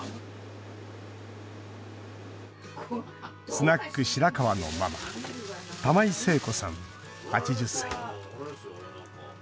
スナック、しらかわのママ玉井征子さん、８０歳。